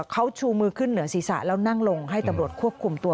เขาชูมือขึ้นเหนือศีรษะแล้วนั่งลงให้ตำรวจควบคุมตัว